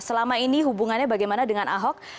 selama ini hubungannya bagaimana dengan ahok